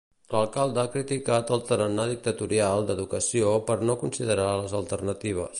L'alcalde ha criticat el "tarannà dictatorial" d'Educació per no considerar les alternatives.